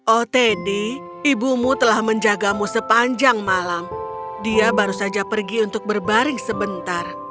oh teddy ibumu telah menjagamu sepanjang malam dia baru saja pergi untuk berbaring sebentar